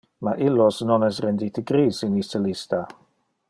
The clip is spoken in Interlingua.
Ma illos non es rendite gris in iste lista.